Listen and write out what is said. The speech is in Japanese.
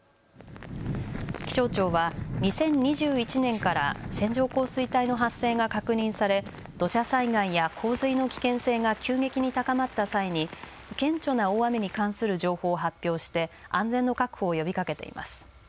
気象庁は２０２１年から線状降水帯の発生が確認され土砂災害や洪水の危険性が急激に高まった際に顕著な大雨に関する情報を発表して安全の確保を呼びかけています。